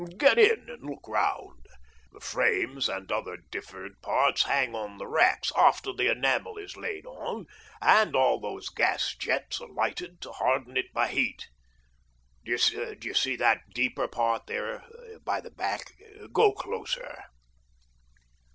Get in and look round. The frames and other different parts hang on the racks after the enamel is laid on, and all those gas jets are lighted to harden it by heat. Do you see that deeper part there by the back ?— go closer."